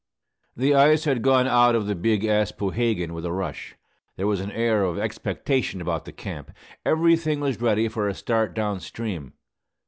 The ice had gone out of the Big Aspohegan with a rush. There was an air of expectation about the camp. Everything was ready for a start down stream.